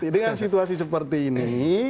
dengan situasi seperti ini